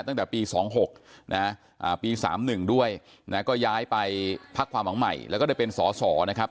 ตั้งแต่ปี๒๖นะปี๓๑ด้วยนะก็ย้ายไปพักความหวังใหม่แล้วก็ได้เป็นสอสอนะครับ